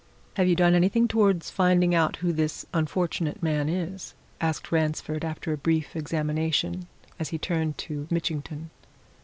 "Have you done anything towards finding out who this unfortunate man is?" asked Ransford, after a brief examination, as he turned to Mitchington.